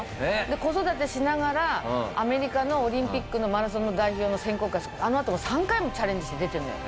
で子育てしながらアメリカのオリンピックのマラソンの代表の選考会あのあとも３回もチャレンジして出てるの。